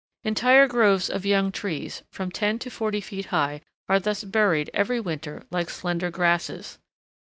Entire groves of young trees, from ten to forty feet high, are thus buried every winter like slender grasses.